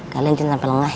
kalian cinta pelengah ya